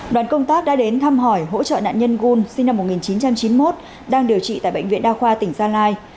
đoàn công tác đã đến thăm hỏi hỗ trợ nạn nhân gun sinh năm một nghìn chín trăm chín mươi một đang điều trị tại bệnh viện đa khoa tỉnh gia lai